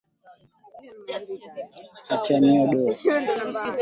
Kuacha kuchinja wanyama katika maeneo yenye ugonjwa wa homa ya bonde la ufa